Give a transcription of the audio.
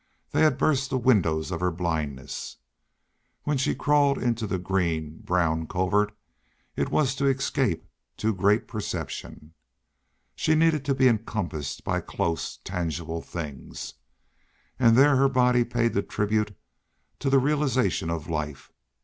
They had burst the windows of her blindness. When she crawled into the green brown covert it was to escape too great perception. She needed to be encompassed by close, tangible things. And there her body paid the tribute to the realization of life.